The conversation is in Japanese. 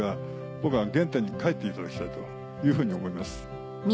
僕は原点に帰っていただきたいというふうに思います。